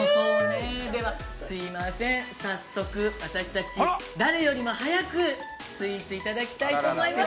では、すいません、早速、私たち、誰よりも早く、スイーツ、いただきたいと思います。